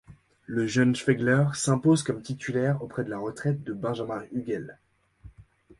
Le jeune Schwegler s'impose comme titulaire après la retraite de Benjamin Huggel.